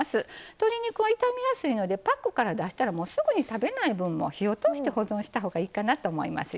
鶏肉は傷みやすいのでパックから出したらすぐに食べない分も火を通して保存したほうがいいかなと思いますよ。